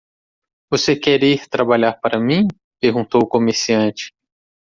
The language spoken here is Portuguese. "Você quer ir trabalhar para mim?", Perguntou o comerciante.